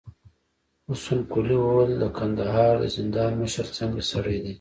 حسن قلي وويل: د کندهار د زندان مشر څنګه سړی و؟